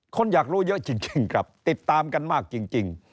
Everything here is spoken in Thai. คนอยากรู้เยอะจริงครับติดตามกันมากจริง